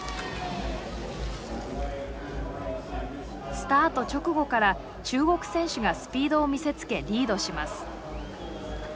スタート直後から中国選手がスピードを見せつけリードします。